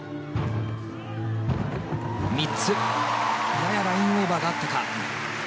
ややラインオーバーがあったか。